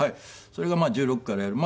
それがまあ１６からやる。